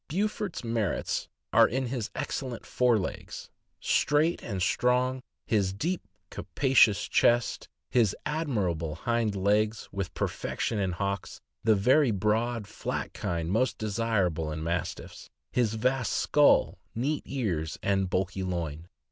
Beaufort's merits are in his excellent fore legs, straight and strong, his deep, capacious chest, his admirable hind legs, with perfection in hocks, the very broad, flat kind most desirable in Mas tiffs, his vast skull, neat ears, and bulky loin.